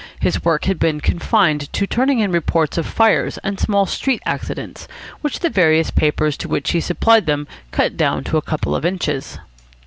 His work had been confined to turning in reports of fires and small street accidents, which the various papers to which he supplied them cut down to a couple of inches.